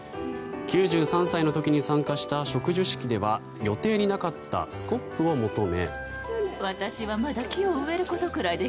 ９３歳の時に参加した植樹式では予定になかったスコップを求め。